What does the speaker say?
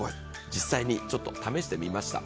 実際に試してみました。